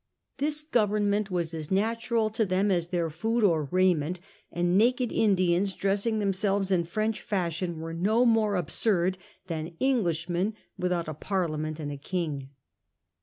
' This government was as natural to them as their food or raiment, and naked Indians dressing themselves in French fashion were no more absurd than Englishmen withouti a Parliament and a King.